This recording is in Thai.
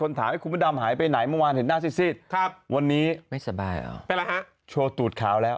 โชว์ตูดขาวแล้วเดี๋ยวอะไรฮะโชว์ตูดขาว